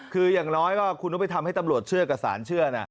คืออย่างน้อยก็คุณต้องไปทำให้ตำรวจเชื่อกับสารเชื่อนะ